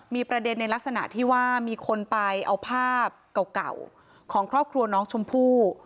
มีประเด็นในลักษณะที่ว่ามีคนไปเอาภาพเก่าของครอบครัวน้องชมพู่